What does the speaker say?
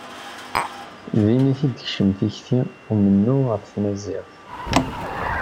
Din i t-id-tekcem tikti n umennuɣ ɣef tmaziɣt.